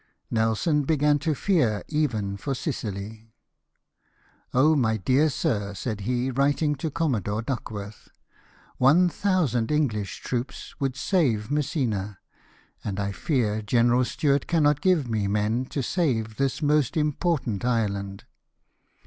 Nelson began to fear even for Sicily. " Oh, my dear sir !" said he, writing to Commodore Duckworth, " one thousand English CARDINAL BUFFO'S ''CHRISTIAN ARMY." Ill troops would save Messina, and I fear General Stuart cannot give me men to save this most important island